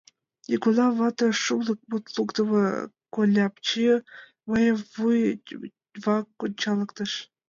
Нигунам вате шумлык мут лукдымо Кольапчи мыйым вуй вак ончалыктыш.